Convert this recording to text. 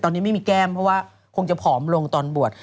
ตอนนี้ไม่มีแก้มเพราะว่าคงจะผอมลงตอนบวช